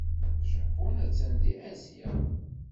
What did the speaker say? Japun attan deg Asya.